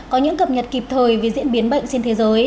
có những cập nhật kịp thời về diễn biến bệnh trên thế giới